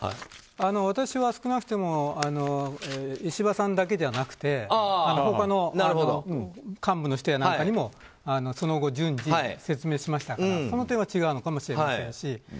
私は少なくとも石破さんだけじゃなくて他の幹部の人なんかにもその後、順次説明しましたからその点は違うのかもしれませんし。